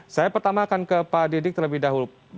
saya pertama akan ke pak didik terlebih dahulu